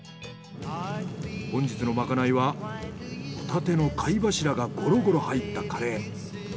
本日のまかないはホタテの貝柱がゴロゴロ入ったカレー。